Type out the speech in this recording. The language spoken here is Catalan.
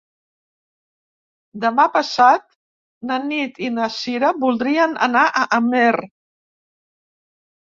Demà passat na Nit i na Sira voldrien anar a Amer.